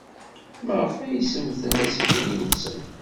Maɣef ay semmten assikel-nsen?